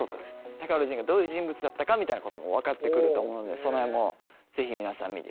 高浦仁がどういう人物だったかみたいなことも分かってくると思うのでその辺も是非皆さん見てみてください。